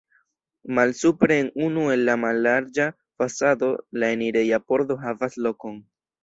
Malsupre en unu el la mallarĝa fasado la enireja pordo havas lokon.